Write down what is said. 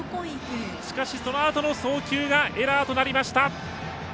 しかし、そのあとの送球がエラーとなりました。